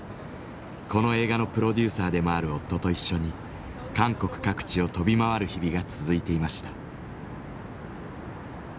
この映画のプロデューサーでもある夫と一緒に韓国各地を飛び回る日々が続いていました。